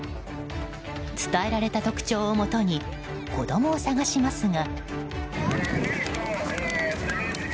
伝えられた特徴をもとに子供を捜しますが。